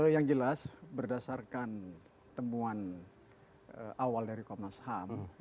yang jelas berdasarkan temuan awal dari komnas ham